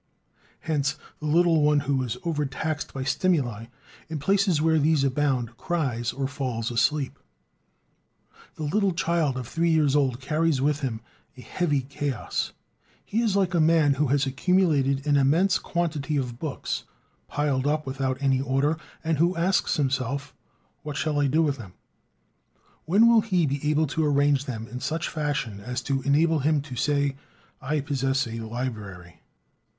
Hence the little one who is over taxed by stimuli, in places where these abound, cries or falls asleep. The little child of three years old carries within him a heavy chaos. He is like a man who has accumulated an immense quantity of books, piled up without any order, and who asks himself "What shall I do with them?" When will he be able to arrange them in such fashion as to enable him to say: "I possess a library"?